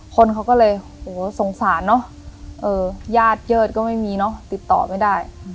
คนเขาก็เลยโหสงสารเนอะญาติเยิดก็ไม่มีเนอะติดต่อไม่ได้